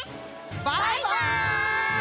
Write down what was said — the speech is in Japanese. バイバイ！